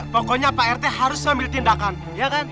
pokoknya pak rt harus ambil tindakan iya kan